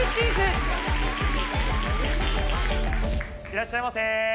いらっしゃいませ。